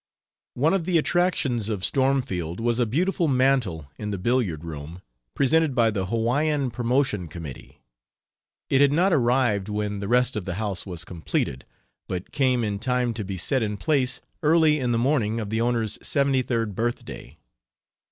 One of the attractions of Stormfield was a beautiful mantel in the billiard room, presented by the Hawaiian Promotion Committee. It had not arrived when the rest of the house was completed, but came in time to be set in place early in the morning of the owner's seventy third birthday.